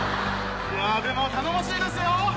いやでも頼もしいですよ！